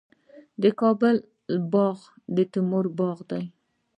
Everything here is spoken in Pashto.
د کابل باغ بالا د تیموري باغ دی